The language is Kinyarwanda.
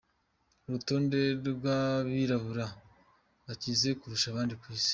Urutonde rw’Abirabura bakize kurusha abandi ku isi